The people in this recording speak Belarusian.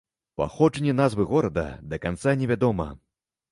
Паходжанне назвы горада да канца невядома.